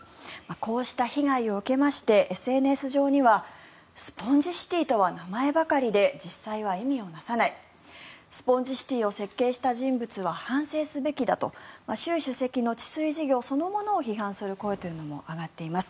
こうした被害を受けましてＳＮＳ上にはスポンジシティとは名前ばかりで実際は意味を成さないスポンジシティを設計した人物は反省すべきだと習主席の治水事業そのものを批判する声というのも上がっています。